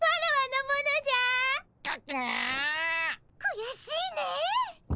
くやしいねえ。